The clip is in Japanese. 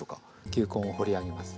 球根を掘り上げます。